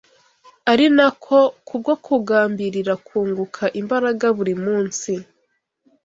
ari nako kubwo kugambirira kunguka imbaraga buri munsi